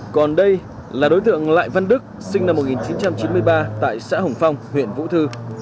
còn đây là đối tượng lại văn đức sinh năm một nghìn chín trăm chín mươi ba tại xã hồng phong huyện vũ thư